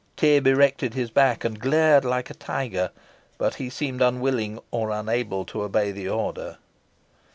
Tib erected his back, and glared like a tiger, but he seemed unwilling or unable to obey the order.